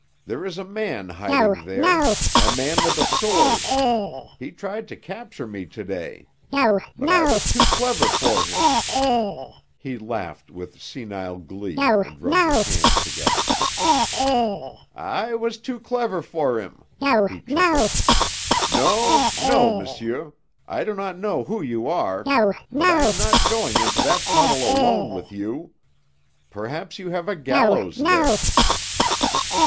There is a man hiding there a man with a sword. He tried to capture me to day. But I was too clever for him." He laughed with senile glee and rubbed his hands together. "I was too clever for him," he chuckled. "No, no, monsieur, I do not know who you are, but I am not going into that tunnel alone with you. Perhaps you have a gallows there."